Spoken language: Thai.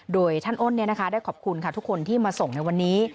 โดยท่านอ้นได้ขอบคุณค่ะทุกคนที่มาส่งในวันนี้